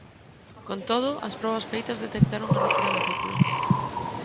Con todo, as probas feitas detectaron a rotura de rótula.